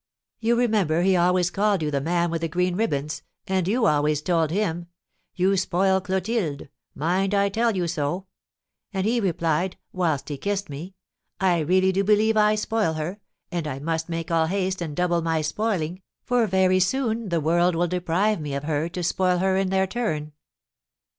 You remember he always called you the man with the green ribands, and you always told him, 'You spoil Clotilde; mind, I tell you so;' and he replied, whilst he kissed me, 'I really do believe I spoil her, and I must make all haste and double my spoiling, for very soon the world will deprive me of her to spoil her in their turn.'